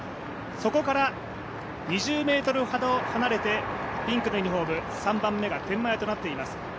そこから２０ｍほど離れてピンクのユニフォーム、３番目が天満屋となっています。